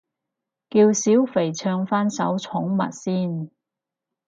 叫小肥唱返首寵物先